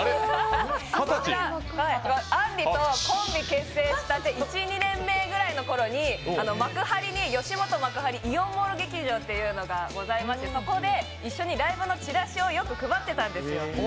あんりとコンビ結成したて１２年目くらいのとき幕張に、よしもと幕張イオンモール劇場というのがございましてそこで一緒にライブのチラシをよく配ってたんですよ。